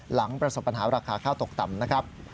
หลังประสบปัญหาราคาข้าวตกต่ำนะครับ